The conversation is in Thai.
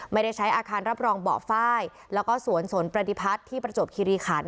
ไม่ได้ใช้อาคารรับรองเบาะฝ้ายแล้วก็สวนสนประดิพัฒน์ที่ประจวบคิริขัน